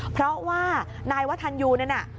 เพราะว่านายวัฒนยูนั่นน่ะ